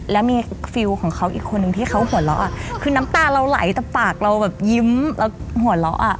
แล้วมีฟิลของเขาอีกคนนึงที่เขาหัวเราะคือน้ำตาเราไหลแต่ปากเราแบบยิ้มแล้วหัวเราะอ่ะ